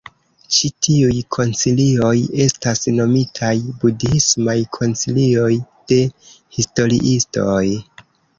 Ĉi tiuj koncilioj estas nomitaj "budhismaj koncilioj" de historiistoj.